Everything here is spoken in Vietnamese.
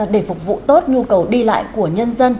để phục vụ tốt nhu cầu đi lại của nhân dân